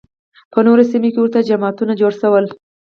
په نورو سیمو کې ورته جماعتونه جوړ شول